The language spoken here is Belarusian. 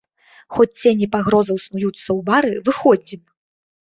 Хоць цені пагрозаў снуюцца ў бары, выходзім!